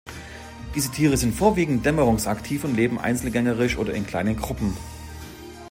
Diese Tiere sind vorwiegend dämmerungsaktiv und leben einzelgängerisch oder in kleinen Gruppen.